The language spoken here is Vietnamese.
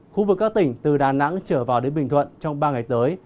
khu vực các tỉnh từ đà nẵng trở vào đến bình thuận trong ba ngày tới